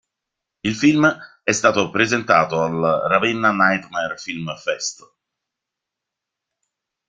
Il film è stato presentato al Ravenna Nightmare Film Fest.